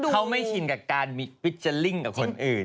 เขาไม่ชินกับการมีฟิเจอร์ลิ่งกับคนอื่น